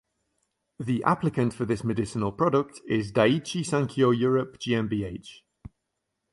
The applicant for this medicinal product is Daiichi Sankyo Europe GmbH.